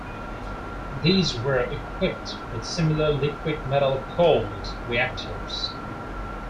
These were equipped with similar liquid-metal-cooled reactors.